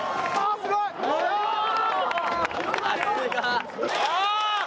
すごーい。